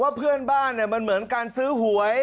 เพื่อนบ้านมันเหมือนการซื้อหวย